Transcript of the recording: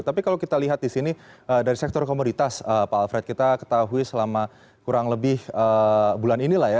tapi kalau kita lihat di sini dari sektor komoditas pak alfred kita ketahui selama kurang lebih bulan inilah ya